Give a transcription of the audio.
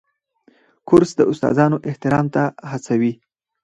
کورس د استادانو احترام ته هڅوي.